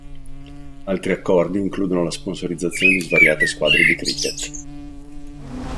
Altri accordi includono la sponsorizzazione di svariate squadre di cricket.